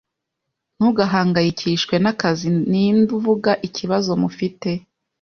Ntugahangayikishwe nakazi ninde uvuga ikibazo mufite